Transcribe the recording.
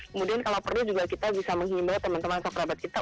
kemudian kalau perlu juga kita bisa menghimbau teman teman atau kerabat kita